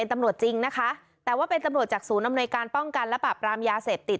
ตำรวจจริงนะคะแต่ว่าเป็นตำรวจจากศูนย์อำนวยการป้องกันและปราบรามยาเสพติด